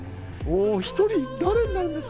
１人、誰になるんですか？